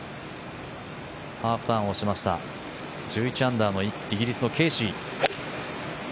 ハーフターンをしました１１アンダーのイギリスのケーシー。